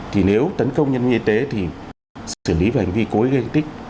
thì nếu tấn công nhân viên y tế thì xử lý về hành vi cối gây thương tích